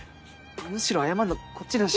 むしろ謝るのこっちだし。